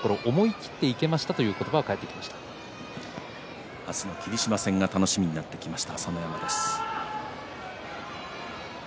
まわしを引いたところを思い切っていけましたという明日の霧島戦が楽しみになってきました